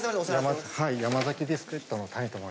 ヤマザキビスケットのタニと申します。